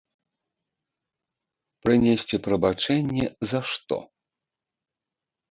Прынесці прабачэнні за што?